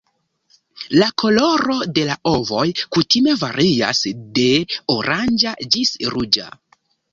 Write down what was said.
La koloro de la ovoj kutime varias de oranĝa ĝis ruĝa.